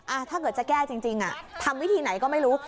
ถ้าเกิดจะแก้จริงอ่ะทำวิธีไหนก็ไม่รู้